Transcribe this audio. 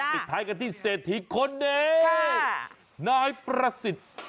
จ้ะจ้ะมีท้ายกันที่เศรษฐีคนเนี่ยค่ะนายประศิษฐ์